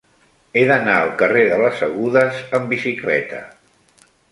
He d'anar al carrer de les Agudes amb bicicleta.